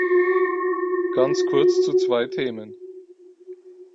Ganz kurz zu zwei Themen.